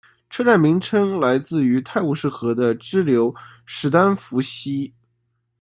车站名称来自于泰晤士河的支流史丹佛溪。